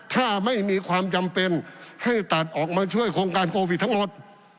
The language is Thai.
ถ้าไม่มีความจำเป็นให้ตัดออกมาช่วยโครงการโควิดทั้งหมด